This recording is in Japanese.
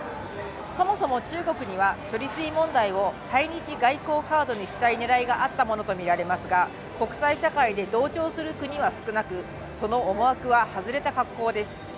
そもそも中国には処理水問題を対日外交カードにしたい狙いがあったものとみられますが国際社会で同調する国は少なくその思惑は外れた格好です。